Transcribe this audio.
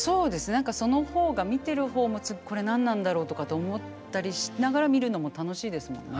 何かその方が見てる方も「次これ何なんだろう」とかって思ったりしながら見るのも楽しいですもんね。